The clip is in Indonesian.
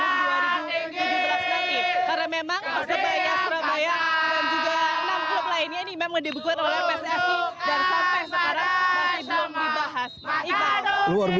karena memang persebaya surabaya dan juga enam klub lainnya ini memang dibukakan oleh pssi